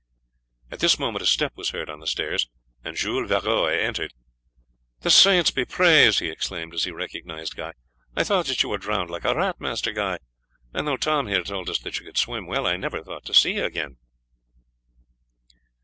At this moment a step was heard on the stairs, and Jules Varoy entered. "The saints be praised!" he exclaimed as he recognized Guy. "I thought that you were drowned like a rat, Master Guy; and though Tom here told us that you could swim well, I never thought to see you again."